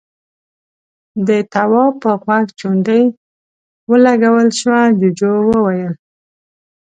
د تواب په غوږ چونډۍ ولګول شوه، جُوجُو وويل: